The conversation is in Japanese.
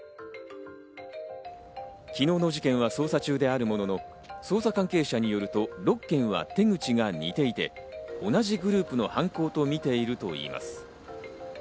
昨日の事件は捜査中であるものの、捜査関係者によると、６件は手口が似ていて、同じグループの犯行とみているといいます。